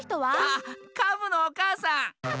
あっカブのおかあさん！